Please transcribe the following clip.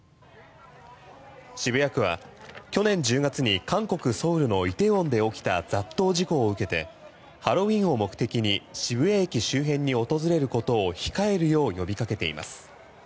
渋谷区は去年１０月に韓国ソウルの梨泰院で起きた雑踏事故を受けてハロウィーンを目的に渋谷駅周辺に訪れることを控えるよう呼びかけています。